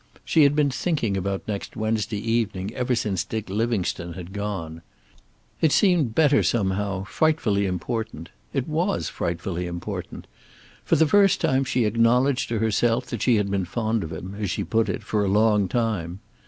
She had been thinking about next Wednesday evening ever since Dick Livingstone had gone. It seemed, better somehow, frightfully important. It was frightfully important. For the first time she acknowledged to herself that she had been fond of him, as she put it, for a long time.